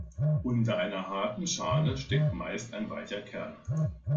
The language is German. Unter einer harten Schale steckt meist ein weicher Kern.